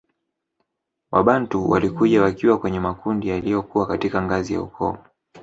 Wabantu walikuja wakiwa kwenye makundi yaliyokuwa katika ngazi ya ukoo